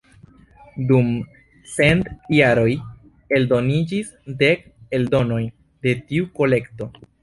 Dum cent jaroj eldoniĝis dek eldonoj de tiu kolekto.